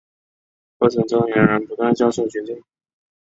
过程中有人不断教唆群众